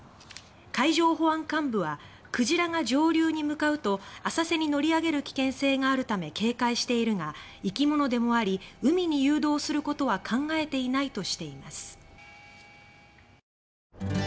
海上保安監部は「クジラが上流に向かうと浅瀬に乗り上げる危険性があるため警戒しているが生き物でもあり海に誘導することは考えていない」としています。